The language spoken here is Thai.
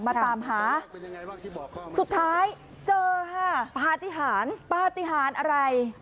มาตามหาสุดท้ายเจอค่ะปฏิหารปฏิหารอะไร